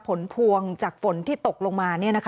ผลพวงจากฝนที่ตกลงมา